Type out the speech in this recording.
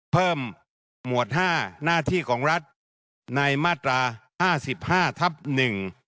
เพิ่มหมวด๕หน้าที่ของรัฐในมาตรา๕๕ทับหนึ่ง